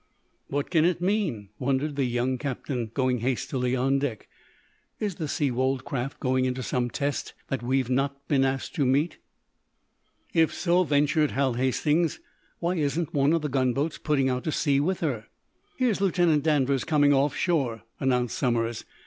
"What can it mean?" wondered the young captain, going hastily on deck. "Is the Seawold craft going into some test that we're not asked to meet?" "If so," ventured Hal Hastings, "why isn't one of the gunboats putting out to sea with her." "Here's Lieutenant Danvers coming off shore," announced Somers.